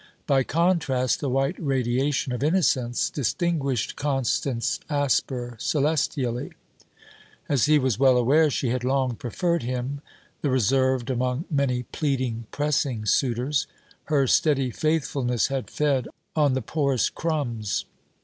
By contrast, the white radiation of Innocence distinguished Constance Asper celestially. As he was well aware, she had long preferred him the reserved among many pleading pressing suitors. Her steady faithfulness had fed on the poorest crumbs.